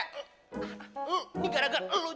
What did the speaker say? ini gara gara elu